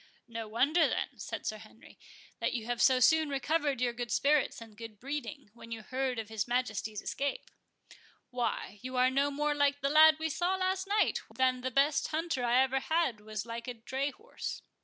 "No wonder, then," said Sir Henry, "that you have so soon recovered your good spirits and good breeding, when you heard of his Majesty's escape. Why, you are no more like the lad we saw last night, than the best hunter I ever had was like a dray horse."